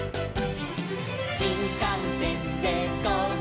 「しんかんせんでゴー！